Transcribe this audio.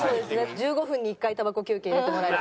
１５分に１回たばこ休憩入れてもらえれば。